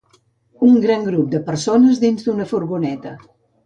Un gran grup de persones dins d'una furgoneta.